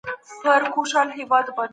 یو من غنم بیه یې شل زره درهمو ته ورسېده.